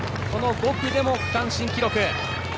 ５区でも区間新記録。